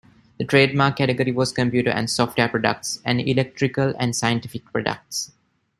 The trademark category was Computer and Software Products and Electrical and Scientific Products.